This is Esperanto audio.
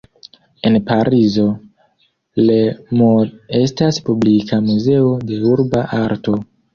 En Parizo, Le Mur estas publika muzeo de urba arto.